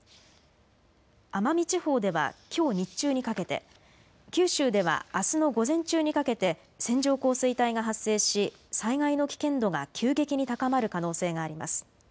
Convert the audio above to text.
奄美地方ではきょう日中にかけて、九州ではあすの午前中にかけて線状降水帯が発生し災害の危険度が急激に高まる可能性があります。